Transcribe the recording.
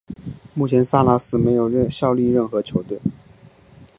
目前萨拉斯没有效力任何球队。